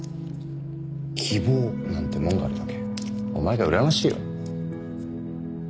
希望なんてもんがあるだけお前がうらやましいわ。